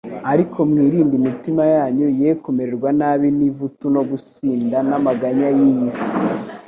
"Ariko mwirinde imitima yanyu ye kuremererwa n'ivutu no gusinda n'amaganya y'iy'isi,